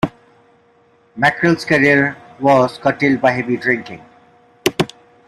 Mackerell's career was curtailed by heavy drinking.